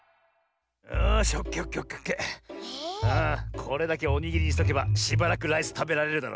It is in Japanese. これだけおにぎりにしとけばしばらくライスたべられるだろ。